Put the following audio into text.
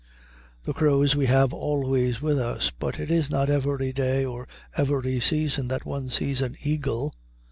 The crows we have always with us, but it is not every day or every season that one sees an eagle.